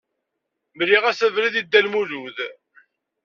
Mliɣ-as abrid i Dda Lmulud.